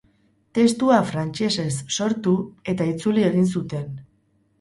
Testua frantsesez sortu eta itzuli egin zuten.